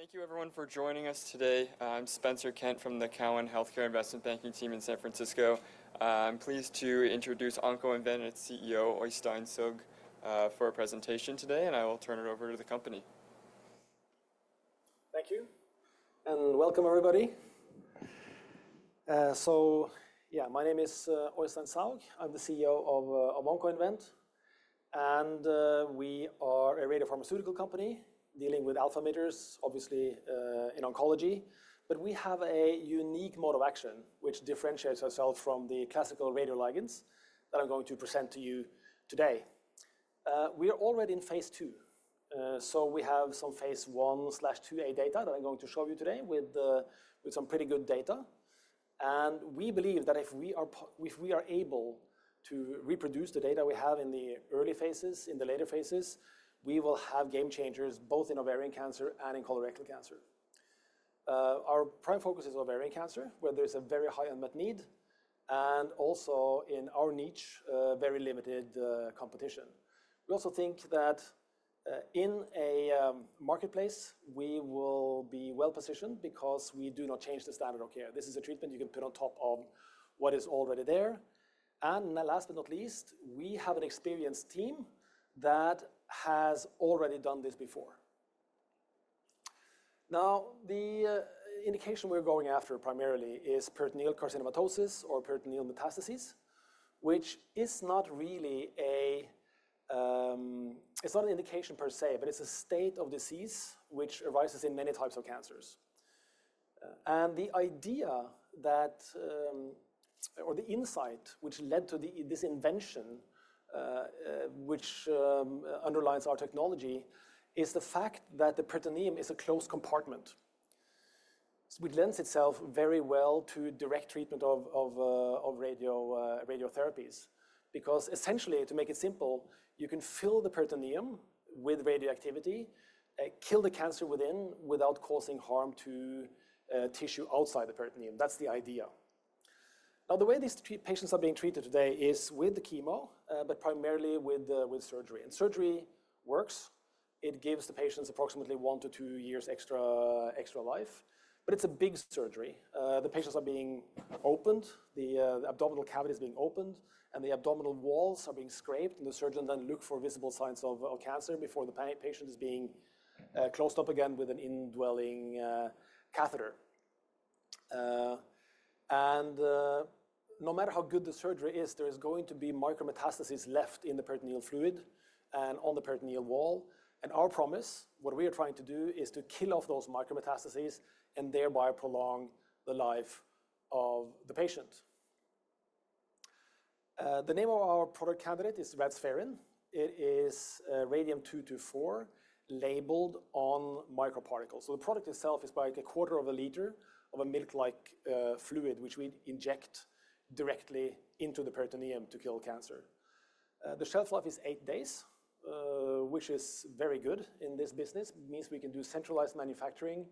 Thank you, everyone, for joining us today. I'm Spencer Kent from the Cowen Healthcare Investment Banking team in San Francisco. I'm pleased to introduce Oncoinvent and its CEO, Øystein Soug, for a presentation today, and I will turn it over to the company. Thank you, and welcome, everybody. Yeah, my name is Øystein Soug. I'm the CEO of Oncoinvent, and we are a radiopharmaceutical company dealing with alpha emitters, obviously, in oncology. We have a unique mode of action which differentiates ourselves from the classical radioligands that I'm going to present to you today. We are already in phase two, so we have some phase 1/2a data that I'm going to show you today with some pretty good data. We believe that if we are able to reproduce the data we have in the early phases, in the later phases, we will have game changers both in ovarian cancer and in colorectal cancer. Our prime focus is ovarian cancer, where there is a very high unmet need, and also in our niche, very limited competition. We also think that in a marketplace, we will be well positioned because we do not change the standard of care. This is a treatment you can put on top of what is already there. Last but not least, we have an experienced team that has already done this before. Now, the indication we're going after primarily is peritoneal carcinomatosis or peritoneal metastases, which is not really an indication per se, but it's a state of disease which arises in many types of cancers. The idea that, or the insight which led to this invention, which underlines our technology, is the fact that the peritoneum is a closed compartment, which lends itself very well to direct treatment of radiotherapies. Essentially, to make it simple, you can fill the peritoneum with radioactivity, kill the cancer within without causing harm to tissue outside the peritoneum. That's the idea. Now, the way these patients are being treated today is with chemo, but primarily with surgery. Surgery works. It gives the patients approximately one to two years extra life, but it's a big surgery. The patients are being opened. The abdominal cavity is being opened, and the abdominal walls are being scraped, and the surgeon then looks for visible signs of cancer before the patient is being closed up again with an indwelling catheter. No matter how good the surgery is, there is going to be micrometastases left in the peritoneal fluid and on the peritoneal wall. Our promise, what we are trying to do, is to kill off those micrometastases and thereby prolong the life of the patient. The name of our product candidate is Radspherin. It is radium-224 labeled on microparticles. The product itself is about a quarter of a liter of a milk-like fluid, which we inject directly into the peritoneum to kill cancer. The shelf life is eight days, which is very good in this business. It means we can do centralized manufacturing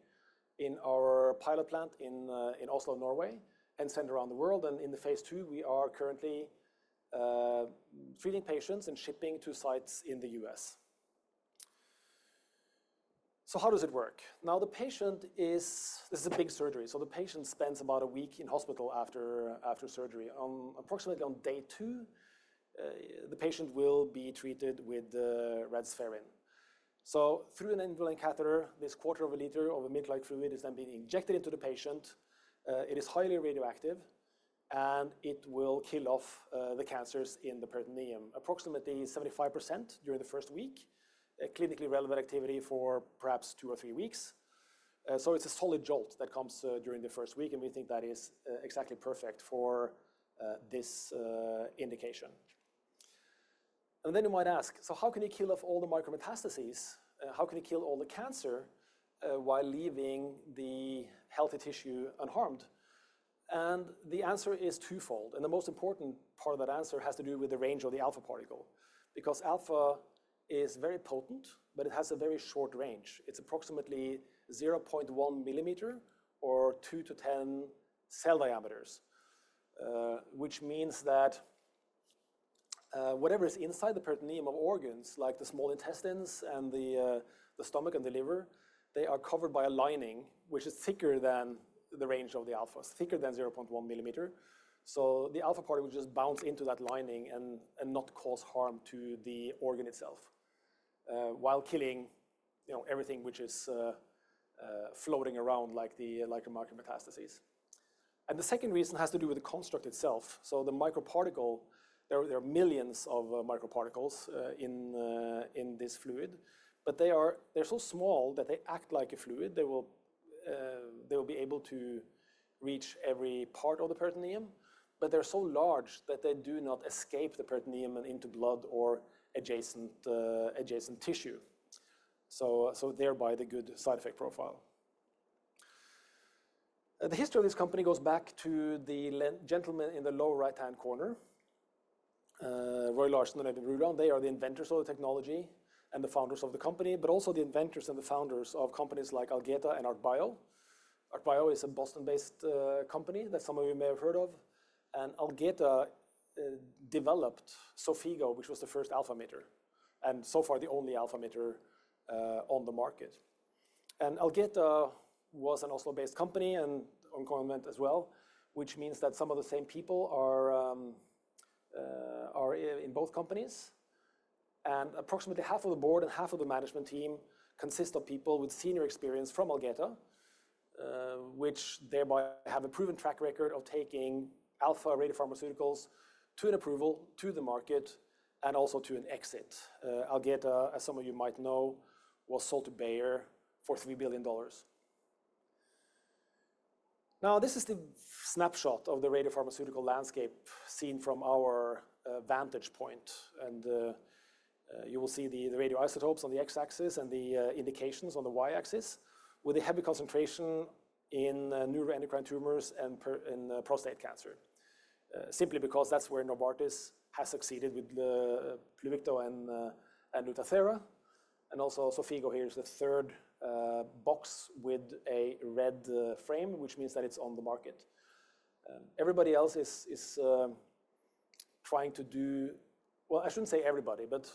in our pilot plant in Oslo, Norway, and send around the world. In phase two, we are currently treating patients and shipping to sites in the U.S. How does it work? The patient is--this is a big surgery. The patient spends about a week in hospital after surgery. Approximately on day two, the patient will be treated with Radspherin. Through an indwelling catheter, this quarter of a liter of a milk-like fluid is then being injected into the patient. It is highly radioactive, and it will kill off the cancers in the peritoneum, approximately 75% during the first week, clinically relevant activity for perhaps two or three weeks. It is a solid jolt that comes during the first week, and we think that is exactly perfect for this indication. You might ask, how can you kill off all the micrometastases? How can you kill all the cancer while leaving the healthy tissue unharmed? The answer is twofold. The most important part of that answer has to do with the range of the alpha particle. Alpha is very potent, but it has a very short range. It's approximately 0.1 millimeter or 2-10 cell diameters, which means that whatever is inside the peritoneum of organs like the small intestines and the stomach and the liver, they are covered by a lining which is thicker than the range of the alpha, thicker than 0.1 millimeter. The alpha particle just bounces into that lining and not causes harm to the organ itself while killing everything which is floating around like the micrometastases. The second reason has to do with the construct itself. The microparticle, there are millions of microparticles in this fluid, but they are so small that they act like a fluid. They will be able to reach every part of the peritoneum, but they're so large that they do not escape the peritoneum and into blood or adjacent tissue. Thereby the good side effect profile. The history of this company goes back to the gentleman in the lower right-hand corner, Roy H. Larsen and Øyvind Bruland. They are the inventors of the technology and the founders of the company, but also the inventors and the founders of companies like Algeta and Artbio. Artbio is a Boston-based company that some of you may have heard of. Algeta developed Xofigo, which was the first alpha emitter, and so far the only alpha emitter on the market. Algeta was an Oslo-based company and Oncoinvent as well, which means that some of the same people are in both companies. Approximately half of the board and half of the management team consist of people with senior experience from Algeta, which thereby have a proven track record of taking alpha radiopharmaceuticals to an approval, to the market, and also to an exit. Algeta, as some of you might know, was sold to Bayer for $3 billion. This is the snapshot of the radiopharmaceutical landscape seen from our vantage point. You will see the radioisotopes on the x-axis and the indications on the y-axis with a heavy concentration in neuroendocrine tumors and in prostate cancer, simply because that's where Novartis has succeeded with Pluvicto and Lutathera. Also, Xofigo here is the third box with a red frame, which means that it's on the market. Everybody else is trying to do, I shouldn't say everybody, but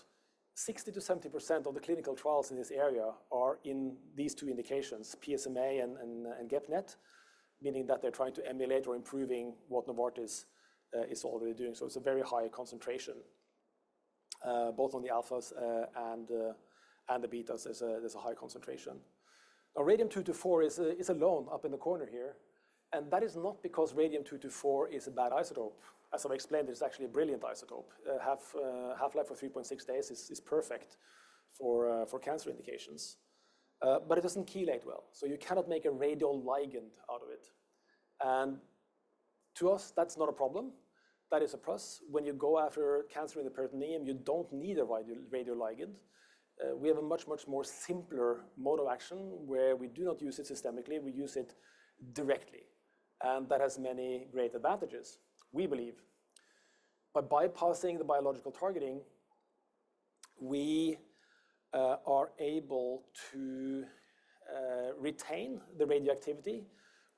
60%-70% of the clinical trials in this area are in these two indications, PSMA and GEP-NET, meaning that they're trying to emulate or improve what Novartis is already doing. It is a very high concentration, both on the alphas and the betas. There's a high concentration. Now, radium-224 is alone up in the corner here. That is not because radium-224 is a bad isotope. As I've explained, it's actually a brilliant isotope. Half-life of 3.6 days is perfect for cancer indications, but it doesn't chelate well. You cannot make a radioligand out of it. To us, that's not a problem. That is a plus. When you go after cancer in the peritoneum, you don't need a radioligand. We have a much, much more simpler mode of action where we do not use it systemically. We use it directly. That has many great advantages, we believe. By bypassing the biological targeting, we are able to retain the radioactivity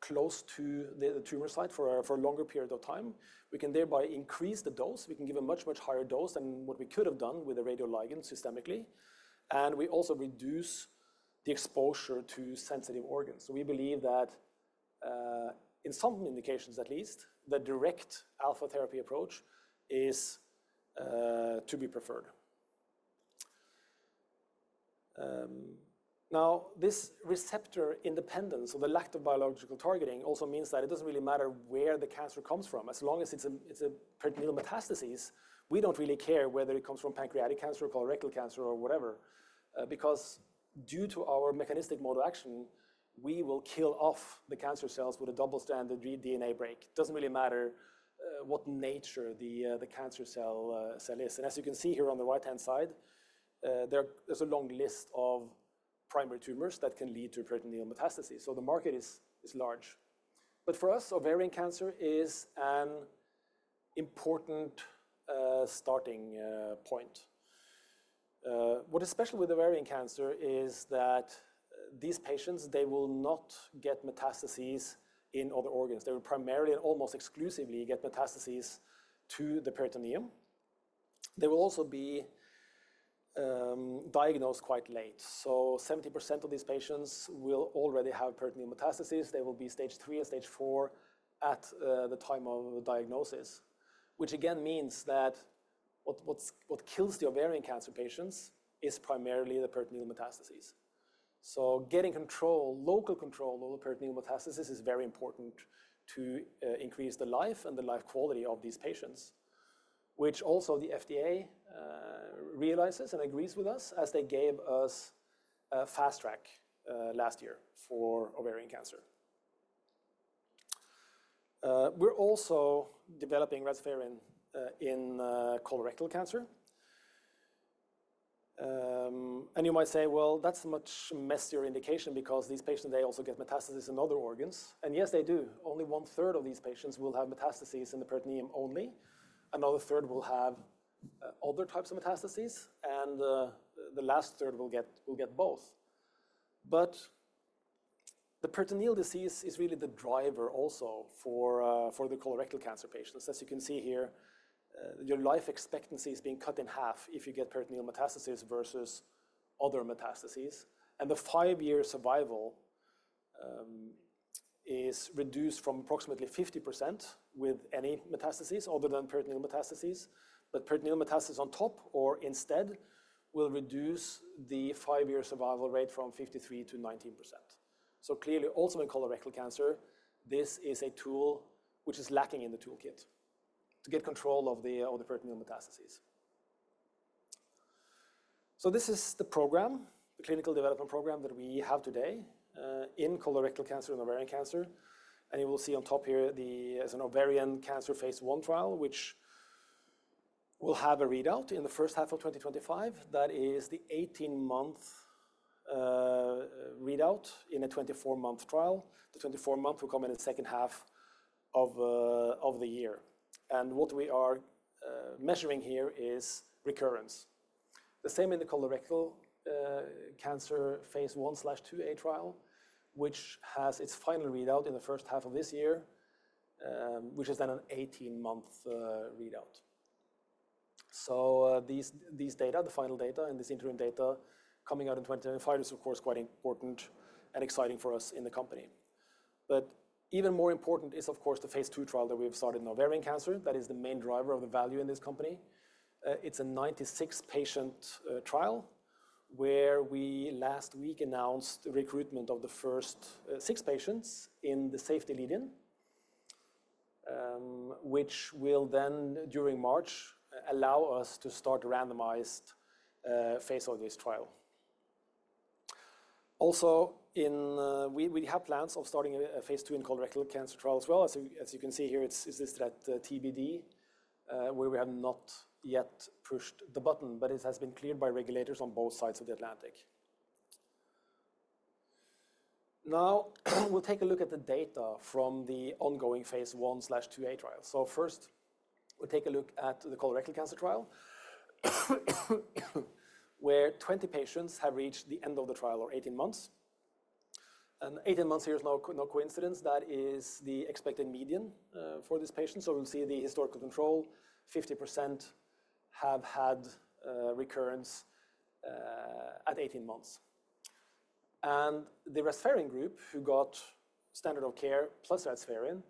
close to the tumor site for a longer period of time. We can thereby increase the dose. We can give a much, much higher dose than what we could have done with a radioligand systemically. We also reduce the exposure to sensitive organs. We believe that in some indications, at least, the direct alpha therapy approach is to be preferred. This receptor independence or the lack of biological targeting also means that it does not really matter where the cancer comes from. As long as it is a peritoneal metastasis, we do not really care whether it comes from pancreatic cancer or colorectal cancer or whatever. Because due to our mechanistic mode of action, we will kill off the cancer cells with a double-stranded DNA break. It does not really matter what nature the cancer cell is. As you can see here on the right-hand side, there is a long list of primary tumors that can lead to peritoneal metastasis. The market is large. For us, ovarian cancer is an important starting point. What is special with ovarian cancer is that these patients, they will not get metastases in other organs. They will primarily and almost exclusively get metastases to the peritoneum. They will also be diagnosed quite late. 70% of these patients will already have peritoneal metastasis. They will be stage three and stage four at the time of diagnosis, which again means that what kills the ovarian cancer patients is primarily the peritoneal metastasis. Getting local control of the peritoneal metastasis is very important to increase the life and the life quality of these patients, which also the FDA realizes and agrees with us as they gave us fast track last year for ovarian cancer. We're also developing Radspherin in colorectal cancer. You might say, well, that's a much messier indication because these patients, they also get metastases in other organs. Yes, they do. Only one third of these patients will have metastases in the peritoneum only. Another third will have other types of metastases, and the last third will get both. The peritoneal disease is really the driver also for the colorectal cancer patients. As you can see here, your life expectancy is being cut in half if you get peritoneal metastases versus other metastases. The five-year survival is reduced from approximately 50% with any metastases other than peritoneal metastases. Peritoneal metastasis on top or instead will reduce the five-year survival rate from 53% to 19%. Clearly, also in colorectal cancer, this is a tool which is lacking in the toolkit to get control of the peritoneal metastases. This is the program, the clinical development program that we have today in colorectal cancer and ovarian cancer. You will see on top here is an ovarian cancer phase I trial, which will have a readout in the first half of 2025. That is the 18-month readout in a 24-month trial. The 24-month will come in the second half of the year. What we are measuring here is recurrence. The same in the colorectal cancer phase 1/2a trial, which has its final readout in the first half of this year, which is then an 18-month readout. These data, the final data and this interim data coming out in 2025, is, of course, quite important and exciting for us in the company. Even more important is, of course, the phase II trial that we have started in ovarian cancer. That is the main driver of the value in this company. It's a 96-patient trial where we last week announced recruitment of the first six patients in the safety lead-in, which will then, during March, allow us to start a randomized phase of this trial. Also, we have plans of starting a phase two in colorectal cancer trial as well. As you can see here, it's listed at TBD, where we have not yet pushed the button, but it has been cleared by regulators on both sides of the Atlantic. Now, we'll take a look at the data from the ongoing phase 1/2a trial. First, we'll take a look at the colorectal cancer trial, where 20 patients have reached the end of the trial or 18 months. Eighteen months here is no coincidence. That is the expected median for these patients. We'll see the historical control. 50% have had recurrence at 18 months. The Radspherin group who got standard of care plus Radspherin,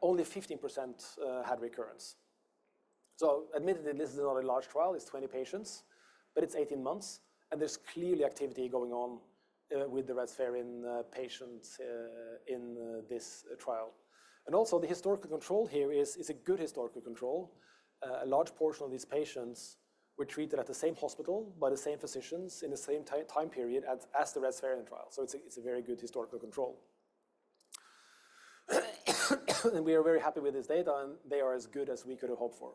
only 15% had recurrence. Admittedly, this is not a large trial. It is 20 patients, but it is 18 months. There is clearly activity going on with the Radspherin patients in this trial. The historical control here is a good historical control. A large portion of these patients were treated at the same hospital by the same physicians in the same time period as the Radspherin trial. It is a very good historical control. We are very happy with this data, and they are as good as we could have hoped for.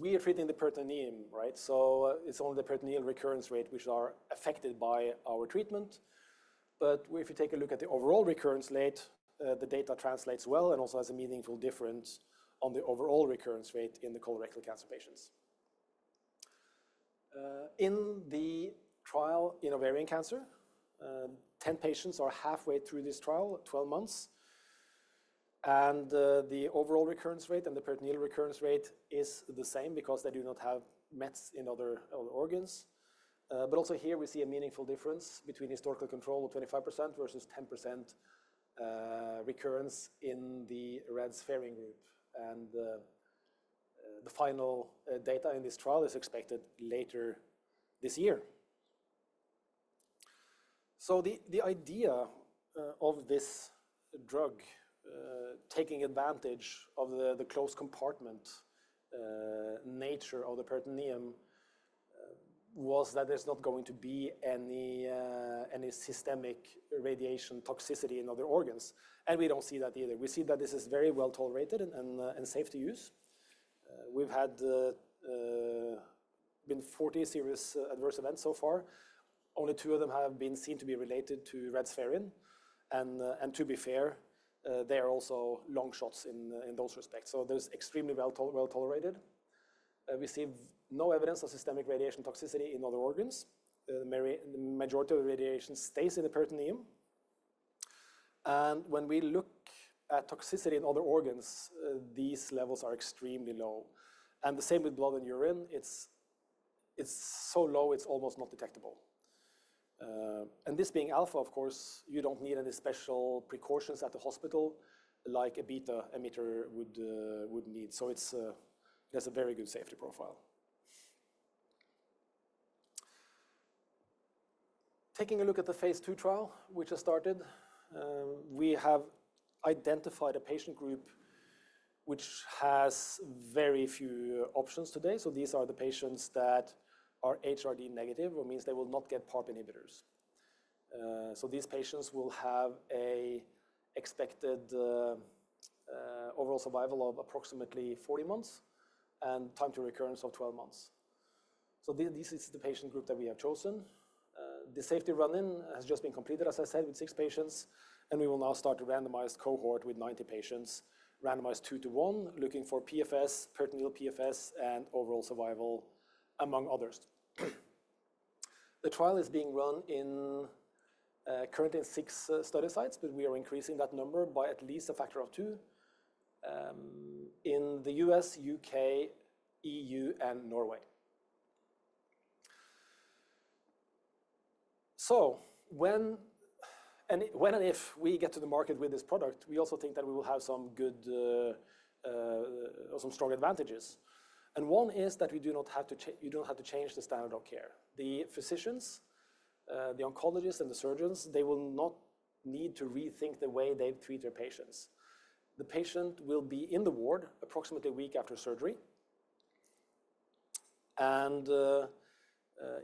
We are treating the peritoneum, right? It is only the peritoneal recurrence rate which is affected by our treatment. If you take a look at the overall recurrence rate, the data translates well and also has a meaningful difference on the overall recurrence rate in the colorectal cancer patients. In the trial in ovarian cancer, 10 patients are halfway through this trial, 12 months. The overall recurrence rate and the peritoneal recurrence rate is the same because they do not have mets in other organs. Also here, we see a meaningful difference between historical control of 25% versus 10% recurrence in the Radspherin group. The final data in this trial is expected later this year. The idea of this drug taking advantage of the close compartment nature of the peritoneum was that there is not going to be any systemic radiation toxicity in other organs. We do not see that either. We see that this is very well tolerated and safe to use. We've had 40 serious adverse events so far. Only two of them have been seen to be related to Radspherin. And to be fair, they are also long shots in those respects. Those are extremely well tolerated. We see no evidence of systemic radiation toxicity in other organs. The majority of the radiation stays in the peritoneum. When we look at toxicity in other organs, these levels are extremely low. The same with blood and urine. It's so low, it's almost not detectable. This being alpha, of course, you don't need any special precautions at the hospital like a beta emitter would need. It has a very good safety profile. Taking a look at the phase two trial, which has started, we have identified a patient group which has very few options today. These are the patients that are HRD negative, which means they will not get PARP inhibitors. These patients will have an expected overall survival of approximately 40 months and time to recurrence of 12 months. This is the patient group that we have chosen. The safety run-in has just been completed, as I said, with six patients. We will now start a randomized cohort with 90 patients, randomized two to one, looking for PFS, peritoneal PFS, and overall survival, among others. The trial is being run currently in six study sites, but we are increasing that number by at least a factor of two in the US, U.K., EU, and Norway. When and if we get to the market with this product, we also think that we will have some good or some strong advantages. One is that we do not have to change the standard of care. The physicians, the oncologists, and the surgeons, they will not need to rethink the way they treat their patients. The patient will be in the ward approximately a week after surgery.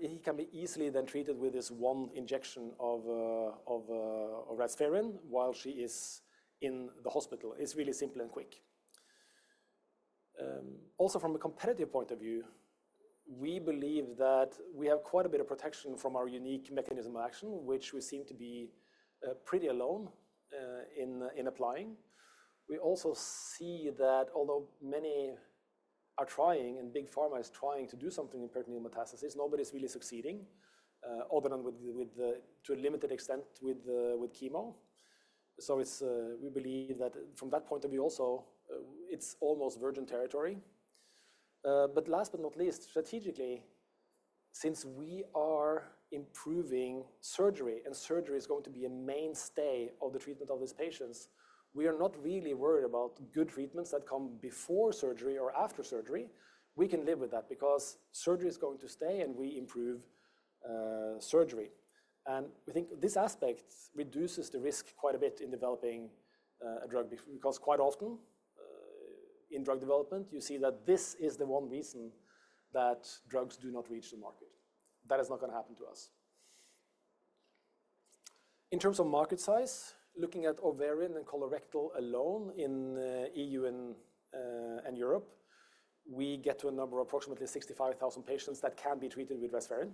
He can be easily then treated with this one injection of Radspherin while she is in the hospital. It's really simple and quick. Also, from a competitive point of view, we believe that we have quite a bit of protection from our unique mechanism of action, which we seem to be pretty alone in applying. We also see that although many are trying and big pharma is trying to do something in peritoneal metastases, nobody's really succeeding, other than to a limited extent with chemo. We believe that from that point of view, also, it's almost virgin territory. Last but not least, strategically, since we are improving surgery and surgery is going to be a mainstay of the treatment of these patients, we are not really worried about good treatments that come before surgery or after surgery. We can live with that because surgery is going to stay and we improve surgery. We think this aspect reduces the risk quite a bit in developing a drug because quite often in drug development, you see that this is the one reason that drugs do not reach the market. That is not going to happen to us. In terms of market size, looking at ovarian and colorectal alone in the EU and Europe, we get to a number of approximately 65,000 patients that can be treated with Radspherin.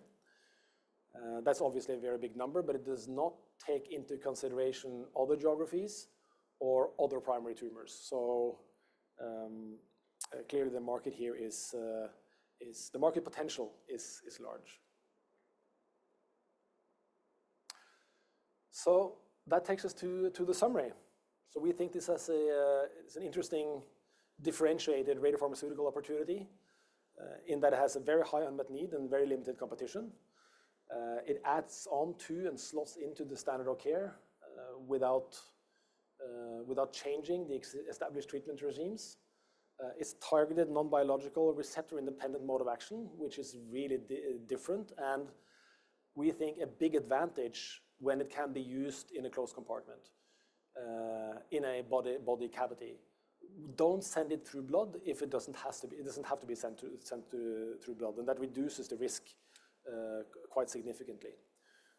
That's obviously a very big number, but it does not take into consideration other geographies or other primary tumors. Clearly, the market here is the market potential is large. That takes us to the summary. We think this is an interesting differentiated radiopharmaceutical opportunity in that it has a very high unmet need and very limited competition. It adds on to and slots into the standard of care without changing the established treatment regimes. Its targeted non-biological receptor-independent mode of action, which is really different. We think a big advantage when it can be used in a closed compartment in a body cavity. Do not send it through blood if it does not have to be sent through blood. That reduces the risk quite significantly.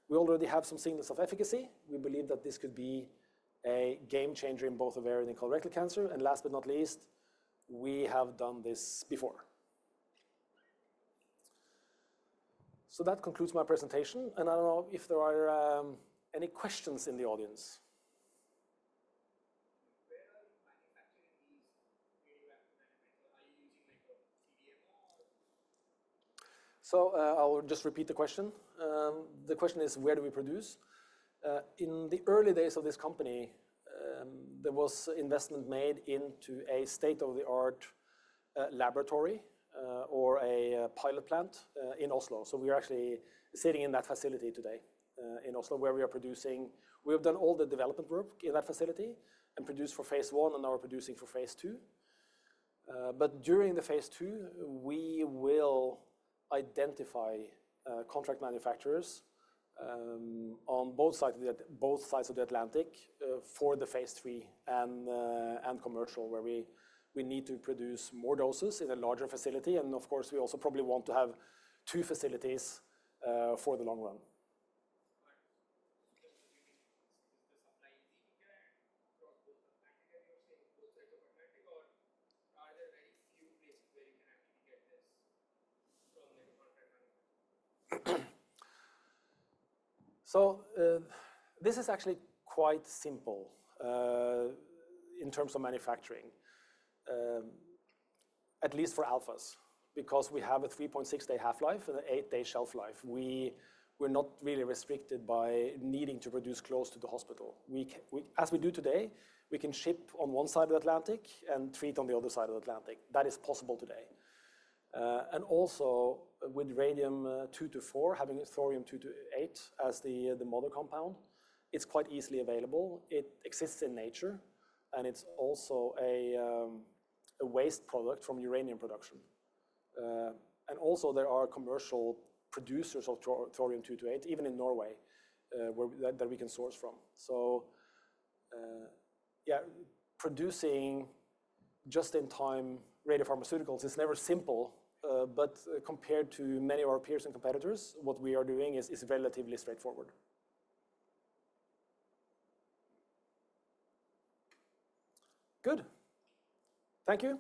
We already have some signals of efficacy. We believe that this could be a game changer in both ovarian and colorectal cancer. Last but not least, we have done this before. That concludes my presentation. I don't know if there are any questions in the audience. Where are you manufacturing these radiopharmaceuticals? Are you using CDMO? I'll just repeat the question. The question is, where do we produce? In the early days of this company, there was investment made into a state-of-the-art laboratory or a pilot plant in Oslo. We are actually sitting in that facility today in Oslo where we are producing. We have done all the development work in that facility and produced for phase one, and now we're producing for phase two. During the phase two, we will identify contract manufacturers on both sides of the Atlantic for the phase three and commercial, where we need to produce more doses in a larger facility. Of course, we also probably want to have two facilities for the long run. Is the supply easy here across both Atlantic? Are you saying both sides of Atlantic, or are there very few places where you can actually get this from contract manufacturers? This is actually quite simple in terms of manufacturing, at least for alphas, because we have a 3.6-day half-life and an 8-day shelf life. We're not really restricted by needing to produce close to the hospital. As we do today, we can ship on one side of the Atlantic and treat on the other side of the Atlantic. That is possible today. Also, with radium 224, having thorium 228 as the mother compound, it's quite easily available. It exists in nature, and it's also a waste product from uranium production. There are commercial producers of thorium 228, even in Norway, that we can source from. Producing just-in-time radiopharmaceuticals is never simple, but compared to many of our peers and competitors, what we are doing is relatively straightforward. Good. Thank you.